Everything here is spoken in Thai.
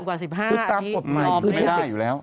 คือตามกฎหมายคือไม่ได้อยู่แล้ว